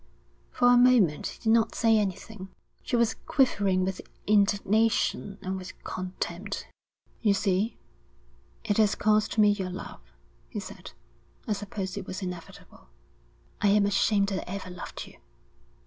For a moment he did not say anything. She was quivering with indignation and with contempt. 'You see, it has cost me your love,' he said. 'I suppose it was inevitable.' 'I am ashamed that I ever loved you.'